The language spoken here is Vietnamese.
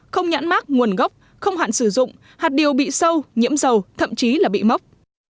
không nhãn mát nguồn gốc không hạn sử dụng hạt điều bị sâu nhiễm dầu thậm chí là bị mốc